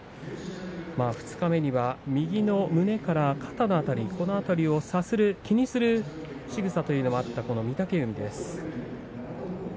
二日目には右の胸から肩の辺りをさする、気にするしぐさというのもあった御嶽海です。